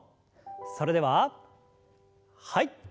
それでははい。